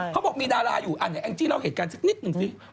เขาบอกมีดาราอยู่อันไหนแองจี้เล่าเหตุการณ์สักนิดหนึ่งสิ